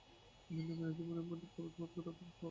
ভিন্ন ভিন্ন জীবনের মধ্যে প্রভেদ প্রকারগত নহে।